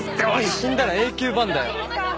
死んだら永久ＢＡＮだよ。